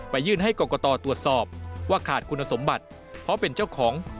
ยื่นให้กรกตตรวจสอบว่าขาดคุณสมบัติเพราะเป็นเจ้าของ